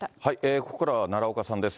ここからは奈良岡さんです。